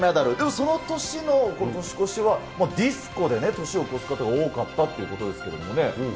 その年の年越しは、ディスコで年を越す方が多かったっていうことですけどもね。